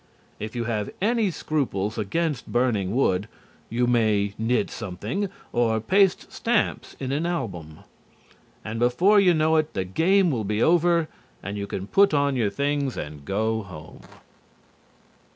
If you have any scruples against burning wood, you may knit something, or paste stamps in an album. And before you know it, the game will be over and you can put on your things and go home.